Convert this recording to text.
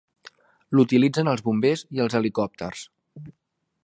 L'utilitzen els bombers i els helicòpters.